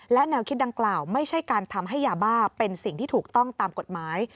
และแนวคิดดังกล่าวไม่ใช่การทำให้ยาบ้าเป็นสิ่งที่ถูกต้องตามกฎหมาย